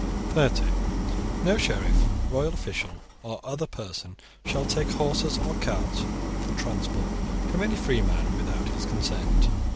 (30) No sheriff, royal official, or other person shall take horses or carts for transport from any free man, without his consent.